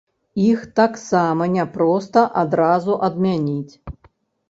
Іх таксама няпроста адразу адмяніць.